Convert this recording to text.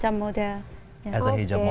sebagai model hijab